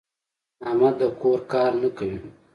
احمد د کور کار نه کوي.